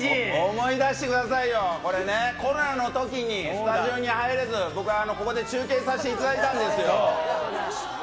思い出してくださいよ、これね、コロナのときにスタジオに入れず、僕、ここで中継させていただいたんですよ。